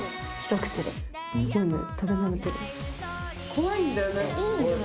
怖いんだよね。